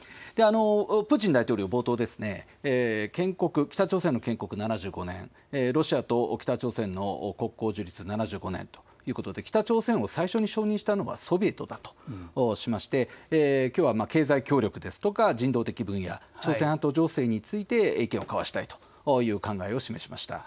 プーチン大統領、冒頭、北朝鮮の建国７５年、ロシアと北朝鮮の国交樹立７５年ということで北朝鮮を最初に承認したのはソビエトだとしましてきょうは経済協力ですとか人道的分野、朝鮮半島情勢について意見を交わしたいという考えを示しました。